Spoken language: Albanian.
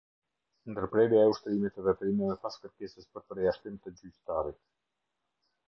Ndërprerja e ushtrimit të veprimeve pas kërkesës për përjashtim të gjyqtarit.